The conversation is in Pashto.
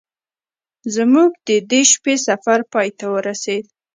زموږ د دې شپې سفر پای ته ورسید.